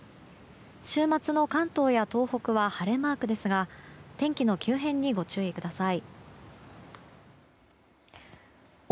週末の関東や東北は晴れマークですが天気の急変にご注意ください。